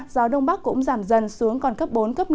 gió đông bắc cũng giảm dần xuống còn cấp bốn cấp năm